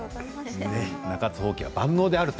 中津ほうきは万能であると。